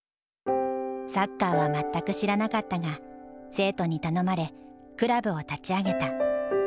サッカーは全く知らなかったが生徒に頼まれクラブを立ち上げた。